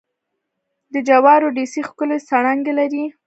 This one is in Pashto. د جوارو ډېسې ښکلې څڼکې لري.